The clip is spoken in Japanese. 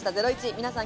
皆さん